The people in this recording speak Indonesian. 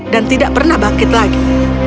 dan tidak pernah bangkit lagi